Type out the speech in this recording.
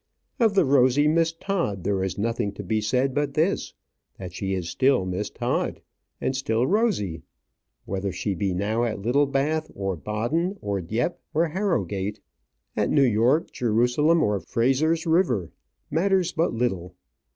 Of the rosy Miss Todd, there is nothing to be said but this, that she is still Miss Todd, and still rosy. Whether she be now at Littlebath, or Baden, or Dieppe, or Harrogate, at New York, Jerusalem, or Frazer's River, matters but little.